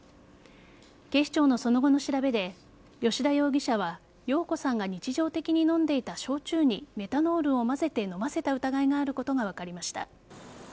警視庁のその後の調べで吉田容疑者は容子さんが日常的に飲んでいた焼酎にメタノールを混ぜて飲ませた疑いがあることが分かりました。